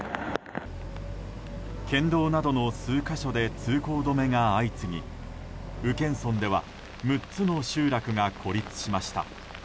県道などの数か所で通行止めが相次ぎ宇検村では６つの集落が孤立しました。